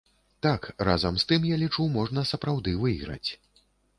Так, разам з тым я лічу, можна сапраўды выйграць.